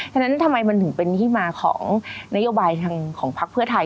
ฉะนั้นทำไมมันถึงเป็นที่มาของนโยบายทางของพักเพื่อไทย